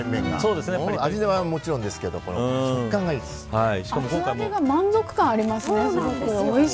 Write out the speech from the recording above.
味はもちろんですけど厚揚げが満足感ありますね